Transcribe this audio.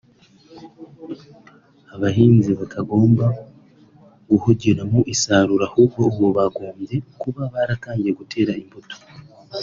abahinzi batagomba guhugira mu isarura ahubwo ubu bagombye kuba baratangiye gutera imbuto